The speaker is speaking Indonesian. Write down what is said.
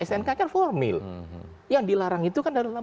snk kan formil yang dilarang itu kan dalam